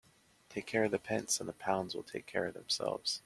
Take care of the pence and the pounds will take care of themselves.